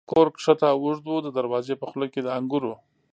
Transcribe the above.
کور کښته او اوږد و، د دروازې په خوله کې د انګورو.